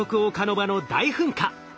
場の大噴火。